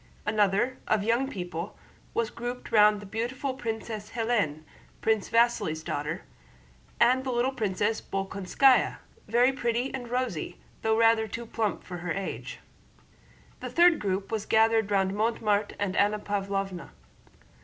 Another, of young people, was grouped round the beautiful Princess Hélène, Prince Vasíli's daughter, and the little Princess Bolkónskaya, very pretty and rosy, though rather too plump for her age. The third group was gathered round Mortemart and Anna Pávlovna.